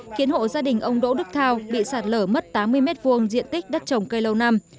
khiến hộ gia đình ông đỗ đức thao bị sạt lở mất tám mươi m hai diện tích đất trồng cây lâu năm